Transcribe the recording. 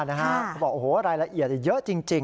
เขาบอกว่ารายละเอียดเยอะจริงนะครับ